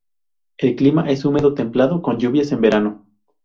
El clima es Húmedo templado, con lluvias en verano.